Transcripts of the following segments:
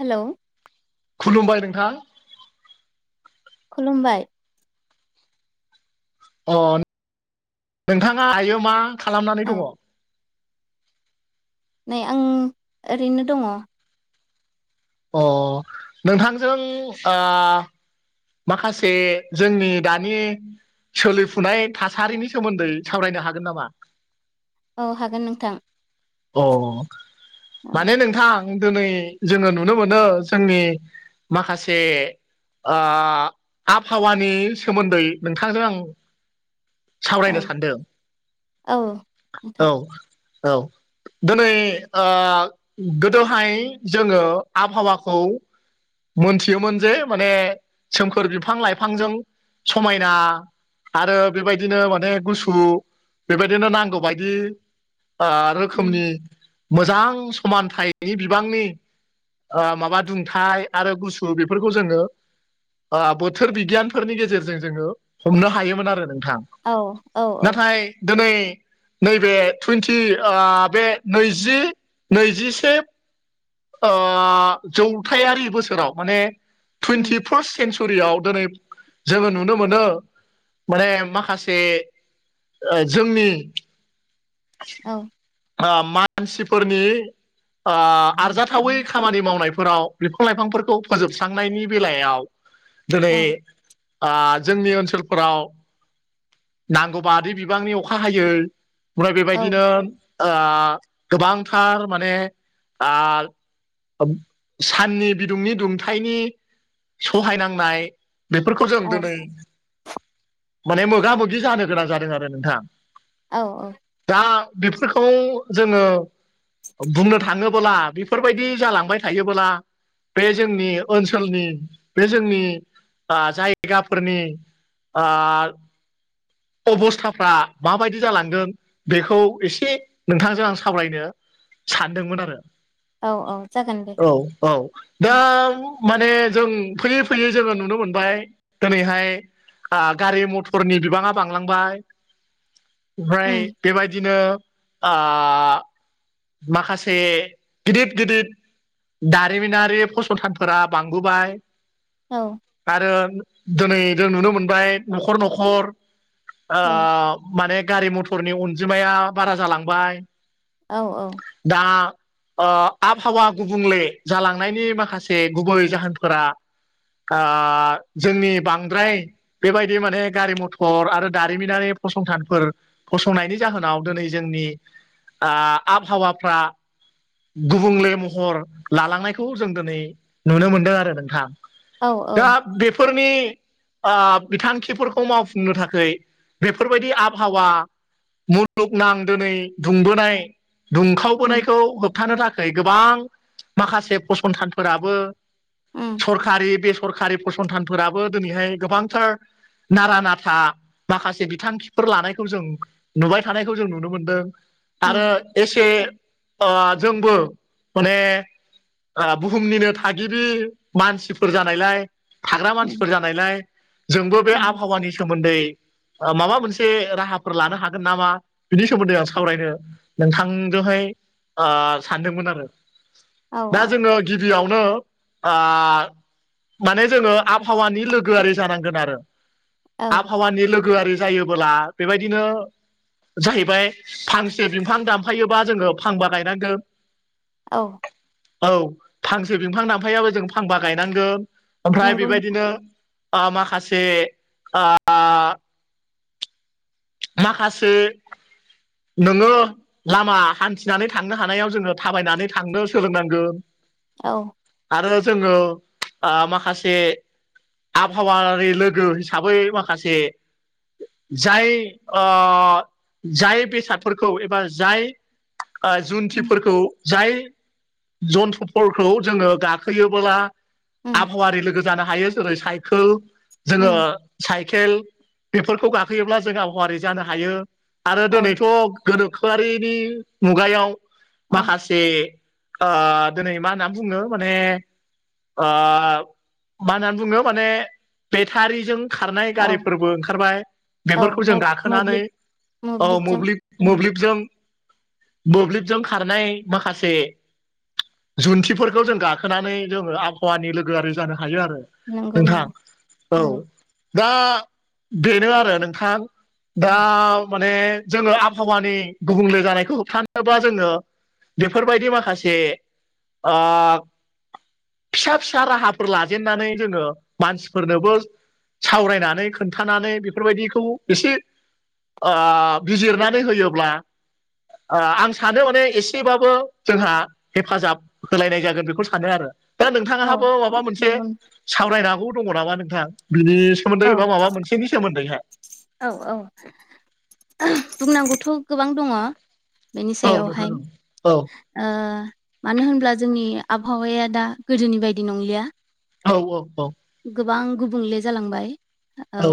Hello खुलुमबाय नोंथां खुलुमबाय अ नोंथाङा दायो मा खालामनानै औ दङ नै आं ओरैनो दङ अ नोंथांजों ओ माखासे जोंनि दानि सोलिफुनाय थासारिनि सोमोन्दै सावरायनो हागोन नामा औ हागोन नोंथां अ औ माने नोंथां दोनै जोङो नुनो मोनो जोंनि माखासे ओ ओ आबहावानि सोमोन्दै नोंथांजों आं औ सावरायनो सानदों औ नोंथां औ औ दोनै ओ गोदोहाय जोङो आबहावाखौ मोनथियोमोन जे माने सोमखोर बिफां लाइफांजों समायना आरो बेबायदिनो माने गुसु बेबायदिनो नांगौ बायदि ओ रोखोमनि मोजां समानथायनि बिबांनि ओ माबा दुंथाय आरो गुसु बेफोरखौ जोङो ओ बोथोर बिगियानफोरनि गेजेरजों जोङो हमनो हायोमोन आरो नोंथां औ औ औ नाथाय दोनै नैबे टुइन्टि ओ बे नैजि नैजिसे ओ जौथायारि बोसोराव माने उम टुइन्टि फार्स्ट सेन्सुरियाव दोनै जोङो नुनो मोनो माने माखासे ओ जोंनि औ ओ मानसिफोरनि ओ आरजाथावै खामानि मावनायफोराव बिफां लाइफांफोरखौ फोजोबस्रांनायनि बेलायाव औ दोनै ओ जोंनि ओनसोलफोराव नांगौबादि बिबांनि अखा हायै ओमफ्राय औ बेबायदिनो ओ गोबांथार माने ओ साननि बिदुंनि दुंथनि सहायनांनाय बेफोरखौ जों औ दिनै माने मोगा मोगि जानो गोनां जादों आरो नोंथाङा। औ औ दा बेफोरखौ जोंङो बुंनो थाङोबोला बेफोरबायदि जालांबाय थायोबोला। बे जोंनि ओनसोलनि बे जोंनि ओ जायगाफोरनि ओ अबस्थाफ्रा माबायदि जालांदों बेखौ एसे नोंथांजों आं सावरायनो सानदोंमोन आरो औ औ जागोन दे औ औ दा माने जों फैयै-फैयै जोङो नुनो मोनबाय दोनैहाय ओ गारि मथर फोरनि बिबाङा बांलांबाय ओमफ्राय उम बेबायदिनो ओ माखासे गिदिर गिदिर दारिमिनारि फसंथानफोरा बांबोय औ आरो दोनै जों नुनो मोनबाय नखर नखर ओ औ माने गारि मथरनि अनजिमाया बारा जालांबाय। औ औ दा ओ आबहावा गुबुंले जालांनायनि माखासे गुबै जाहोनफोरा आ जोंनि बांद्राय बेबायदि माने गारि मथर आरो दारिमिनारि फसंथानफोर फसंनायनि जाहोनाव दिनै जोंनि आ आबहावाफ्रा गुबुंले महर लालांनायखौ जों दिनै नुनो मोनदों आरो नोंथां। औ दा औ बेफोरनि आ बिथांखिफोरखौ खौ मावफुंनो थाखाय बेफोरबायदि आबहावा मुलुगनां दिनै दुंबोनाय उम दुंखावबोनायखौ होब हमथानो थाखाय गोबां माखासे फसंथानफोराबो उम सरकारि बे सरकारि फसंथानफोराबो दिनैहाय गोबांथार नारा नाथा माखासे बिथांखिफोर लानायखौ जों नुबाय थानायखौ जों नुनो मोनदों। आरो उम एसे ओ जोंबो माने बुहुमनिनो थागिरि मानसिफोर जानायलाय थाग्रा उम मानसिफोर जानायलाय जोंबो बे उम आबहावानि सोमोन्दै माबा मोनसे राहाफोर लानो हागोन नामा बिनि सोमोन्दै आं सावरायनो नोंथांजोंहाय सानदोंमोन आरो औ दा औ जोंङो गिबियावनो आ माने जोंङो आबहावानि लोगोआरि जानांगोन आरो। औ आबहावानि लोगोआरि जायोबोला बेबायदिनो जाहैबाय फांसे बिफां दानफायोबा जोंङो फांबा गायनांगोन। औ औ फांसे बिफां दांफायाबो जों फांबा गायनांगो। ओमफ्राय नंगौ बेबायदिनो ओ माखासे आ माखासे नोंङो लामा हान्थिनानै थांनो हानायाव जोंङो थाबायनानै थांनो सोलोंनांगो। औ आरो जोंङो माखासे आबहावानि लोगो हिसाबै माखासे जाय जाय बेसादफोरखौ एबा जाय ओ उम जुन्थिफोरखौ जाय जन्थ्रफोरखौ जोङो गाखोयोबोला उम आबहावारि लोगो जानो हायो जेरै साइकेल जोङो उम साइकेल बेफोरखौ गाखोयोब्ला जों आबहावारि जानो हायो आरो औ दोनैथ' गोनोखोआरिनि मुगायाव औ माखासे ओ दोनै मा होनना बुङो माने ओ मा होननानै बुङो माने बेथारिजों खारनाय औ गारिफोरबो ओंखारबाय औ बेफोरखौ जों गाखोनानै मोब्लिब औ मोब्लिबजों मोब्लिब नंगौ मोब्लिबजों मोब्लिबजों खारनाय माखासे जुन्थिफोरखौ जों गाखोनानै जोंङो आबहावानि लोगोआरि जानो हायो आरो। नंगौ नोंथां औ नंगौ दा बेनो आरो नोंथां। दा माने जोङो आबहावानि गुबुंले जानायखौ होबथानोबा जोङो बेफोरबायदि माखासे ओ फिसा फिसा राहाफोर लाजेननानै जोङो मानसिफोरनोबो सावरायनानै खोन्थानानै बेफोरबायदिखौ इसे ओ बिजिरनानै होयोब्ला ओ ओ आं सानो माने एसेबाबो जोंहा हेफाजाब होलायनाय जागोन बेखौ सानो आरो। दा औ नोंथांहाबो माबा मोनसे नंगौ सावरायनांगौ दङ नामा नोंथां बिनि सोमोन्दै नोंथां औ एबा माबा मोनसेनि सोमोन्दैहाय। औ औ बुंनांगौथ' गोबां दङ। बेनि औ नोंथां औ सायावहाय ओ मानो होनब्ला जोंनि आबहावाया दा गोदोनि बायदि नंलिया औ औ औ गोबां गुबुंले जालांबाय औ।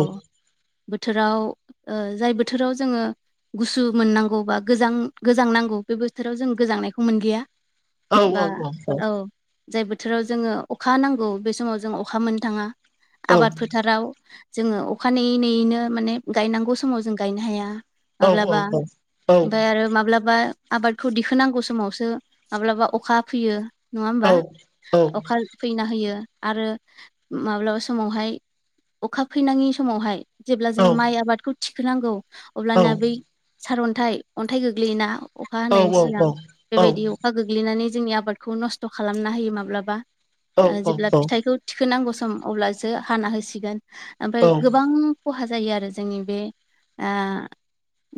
बोथोराव ओ जाय बोथोराव जोङो गुसु मोननांगौ बा गोजां गोजां नांगौ बे बोथोराव जों गोजांनायखौ मोनलिया बा औ जाय बोथोराव जोङो अखा नांगौ बे समाव जों अ अखा मोननो थाङा आबाद फो थाराव जोङो अखा नेयै नेयैनो माने गायनांगौ समाव जों गायनो हाया। माब्लाबा ओमफाय आरो माब्लाबा आबादखौ दिहुननांगौ समावसो माब्लाबा अखा फैयो नङा होमबा अखा फैना होयो आरो माब्लाबा समावहाय अखा फैनाङि समावहाय जेब्ला जोङो माइ आबादखौ थिखोनांगौ अब्लाना बै सारअन्थाइ अन्थाइ गोग्लैयोना अखा हानायनि सिगां बेबायदि अखा गोग्लैनानै जोंनि आबादखौ नस्थ' खालामना होयो माब्लाबा। ओ जेब्ला फिथाइखौ थिखोनांगौ सम अब्लासो हाना होसिगोन। ओमफाय गोबां खहा जायो आरो जोंनि बे ओ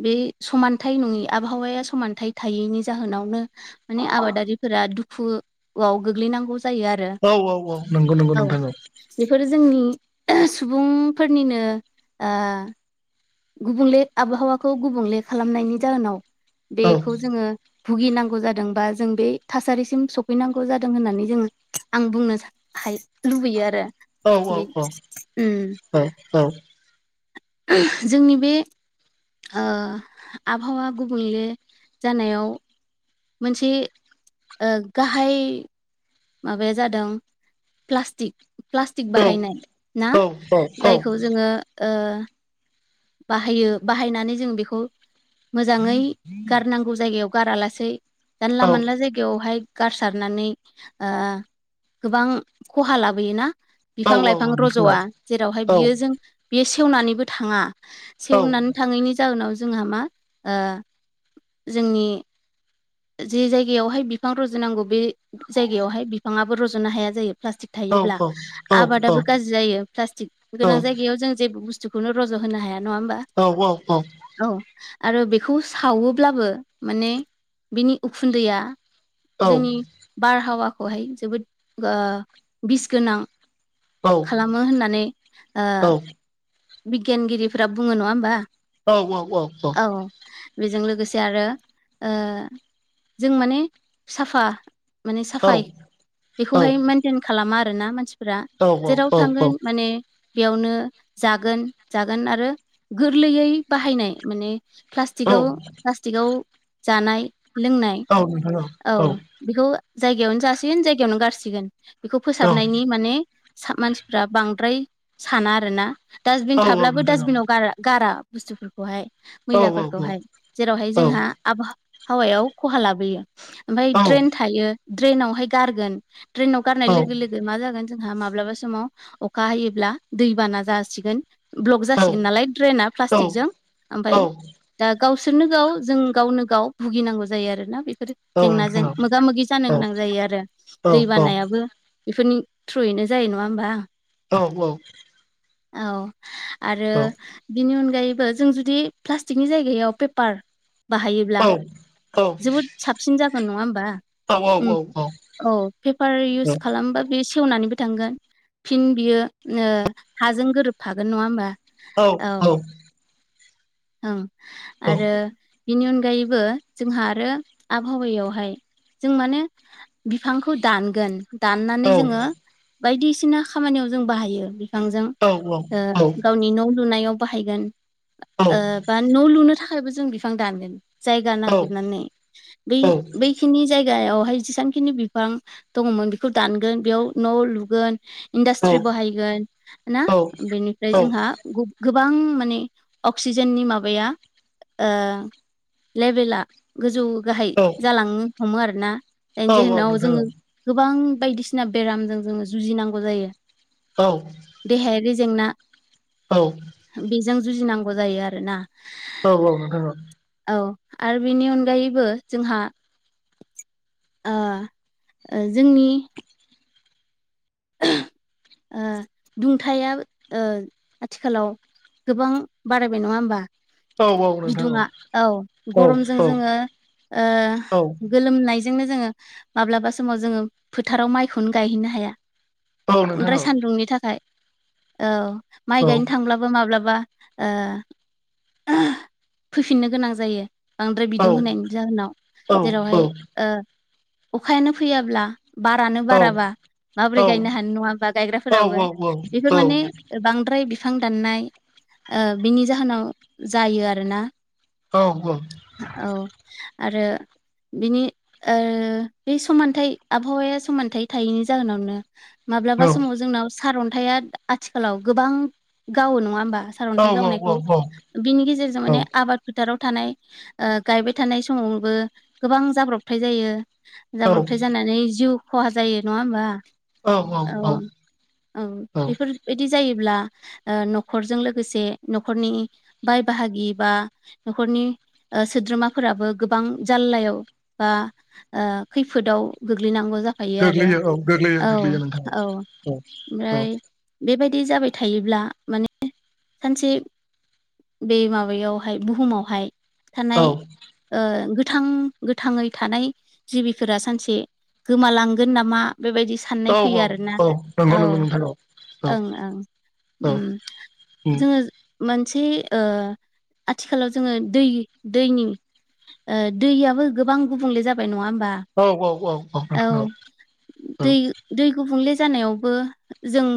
बे समानथाइ नङि आबहावाया समानथाइ थायैनि जाहोनावनो माने आबादारिफोरा दुखुआव गोग्लैनांगौ जायो आरो औ औ औ औ नोंगौ नोंगौ नोंथां औ। बेफोरो जोंनि सुबुंफोरनिनो ओ गुबुंले आबहावाखौ गुबुंले खालामनायनि जाहोनाव औ बेखौ जोङो भुगिनांगौ जादों बा जों बे थासारिसिम सफैनांगौ जादों होननानै जोङो आं बुंनो सा हाय लुबैयो आरो। औ औ बे उम औ औ औ जोंनि बे ओ आबहावा गुबुंले जानायाव मोनसे ओ गाहाय माबाया जादों प्लास्टिक। प्लास्टिक बाहायनाय ना जायखौ जोङो ओ बाहायो बाहायनानै जों बेखौ मोजाङै गारनांगौ जायगायाव गारालासेै जानला मानला जायगायावहाय गारसारनानै ओ गोबां खहा लाबोयोना। बिफां लाइफां रज'वा जेरावहाय बियो जों बेयो सेवनानैबो थाङा सेवनानै थाङैनि जाहोनाव जोंहा मा ओ जोंनि जे जायगायावहाय बिफां रजनांगौ बे जायगायावहाय बि बिफाङाबो रज'नो हाया जायो प्लास्टिक थायोब्ला आबादाबो गाज्रि जायो प्लास्टिक गोनां जायगायाव जों जेबो बुस स्थुखौनो रज' होनो हाया नङा होमबा। औ औ औ औ आरो बेखौ सावोब्लाबो माने बिनि उखुन्दैया जोंनि बारहावाखौहाय जोबोद ओ बिस गोनां खालामो होननानै ओ बिगियानगिरिफोरा बुङो नङा होमबा? औ औ औ औ औ बेजों लोगोसे आरो जों माने साफा माने साफाय बेखौहाय मेेनटेन खालामा आरोना मानसि फोरा जेराव औ थांगोन माने बेयावनो जागोन जागोन आरो गोरलैयै बाहायनाय माने औ औ प्लास्टिकआव प्लास्टिकआव जानाय लोंनाय औ नोंथां औ बेखौ जायगायावनो जासिगोन जायगायावनो गारसिगोन बेखौ फोसाबनायनि माने साब मानसिफ्रा बांद्राय साना आरोना। डास्टबिन थाब्लाबो डास्टबिनाव गार-गारा बुस्थुफोरखौहाय। मैलाफोरखौहाय जेरावहाय जोंहा आबहावायाव खहा लाबोयो। ओमफ्राय ड्रेन थायो ड्रेनावहाय गारगोन ड्रेनाव गारनाय लोगो लोगो मा जागोन जोंहा माब्लाबा समाव अखा हायोब्ला दैबाना जासिगोन। ब्लक जासिगोन नालाय ड्रेना प्लास्टिकजों ओमफाय दा गावसोरनो गाव जों गावनो गाव भुगिनांगौ जायो आरोना बेफोरो। नोंथां जेंनाजों औ मोगा मोगि जानो गोनां जायो आरो दै बानायाबो बेफोरनि थ्रुयैनो जायो नङा होमबा? औ औ औ आरो बिनि अनगायैबो जों जुदि प्लास्टिकनि जायगायाव पेपार बाहायोब्ला जोबोद साबसिन जागोन नङा होमबा? उम औ पेपार इउस खालामबा बे सेवनानैबो थांगोन फिन बियो हाजों गोरोबफागोन नङा होमबा? औ औ ओं आरो बेनि अनगायैबो जोंहा आरो आबहावायावहाय जों माने बिफांखौ दानगोन दाननानै जोङो बायदिसिना खामानियाव जों बाहायो। बिफांजों गावनि न' लुनायाव बाहायगोन। बा न' लुनो थाखायबो जों बिफां दानगोन। जायगा नानगिरनानै बै बै जिखिनि जायगायावहाय जेसांखिनि बिफां दङमोन बेखौ दानगोन बेयाव न' लुगोन इन्डास्ट्रि बाहायगोन ना बेनिफ्राय जोंहा गोबां माने अक्सिजेननि माबाया ओ लेभेला गोजौ गाहाय जालांनो हमो आरोना जायनि जाहोनाव जोङो गोबां बायदिसिना बेरामजों जोङो जुजिनांगौ जायो औ देहायारि जेंना औ बेजों जुजिनांगौ जायो आरोना। औ औ नोंथां औ औ आरो बेनि अनगायैबो जोंहा ओ जोंनि ओ दुंथाया ओ आथिखालाव गोबां बारायबाय नङा होमबा? बिदुुङा औ गरमजों जोङो ओ गोलोमनायजोंनो जोङो माब्लाबा समाव जोङो फोथाराव माइखौनो गायहैनो हाया बांद्राय सान्दुंनि थाखाय औ माइ गायनो थांब्लाबो माब्लाबा ओ फैफिननो गोनां जायो बांद्राय बिदुं होनायनि जाहोनाव जेरावहाय ओ अखायानो फैयाब्ला बारानो औ औ बाराबा माब्रै गायनो हानाय नङा बा गायग्राफोराबो बेफोर माने बांद्राय बिफां दाननाय ओ बिनि जाहोनाव जायो आरोना औ औ औ आरो बिनि ओ बे समानथाइ आबहावाया समानथाइ थायैनि जाहोनावनो माब्लाबा समाव जोंनाव सारन्थाइया आथिखालाव गोबां गावो नङा होमबा सारन्थाइ गावनायखौ बिनि गेजेरजों माने आबाद फोथाराव थानाय गायबाय थानाय समावनोबो गोबां जाब्रबथाय जायो जाब्रबथाय जानानै जिउ खहा जायो नङा होमबा औ औ बेफोरबायदि जायोब्ला ओ न'खरजों लोगोसे न'खरनि बाय बाहागि बा न'खरनि ओ सोद्रोमाफोराबो गोबां जाललायाव बा ओ खैफोदाव गोग्लैनांगौ जाख गोग्लैयो औ गोग्लैयो गोग्लैयो नोंथां औ औ औ ओमफ्राय बेबायदि जाबाय थायोब्ला माने सानसे बे माबायावहाय बुहुमावहाय औ थानाय ओ गोथां गोथाङै थानाय जिबिफोरा सानसे गोमालांगोन नामा बेबायदि औ साननाय औ फैयो आरोना औ नंगौ औ नंगौ नोंथां औ ओं ओं औ ओम जोङो मोनसे ओ आथिखालाव जोङो दै दैनि दैयाबबो गोबां गुबुंले जाबाय नङा होमबा औ औ औ औ औ औ दै दै गुबुंले जानायावबो जों